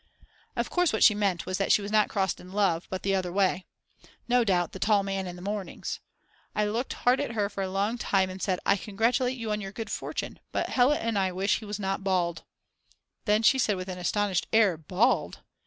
Of course what she meant was that she was not crossed in love but the other way. No doubt the tall man in the mornings. I looked hard at her for a long time and said: "I congratulate you on your good fortune. But Hella and I wish he was not bald," then she said with an astonished air: "Bald?